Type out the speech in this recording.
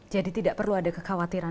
jadi tidak perlu ada kekhawatiran